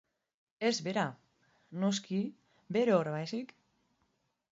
Ez bera, noski, bere obra baizik.